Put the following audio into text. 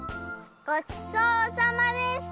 ごちそうさまでした！